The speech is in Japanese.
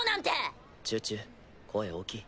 チュチュ声大きい。